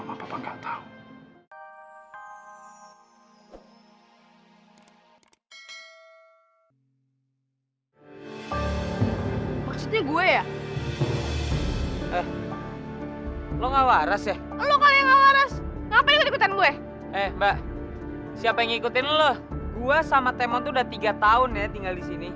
mau buang waktu dulu